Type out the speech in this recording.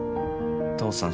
父さん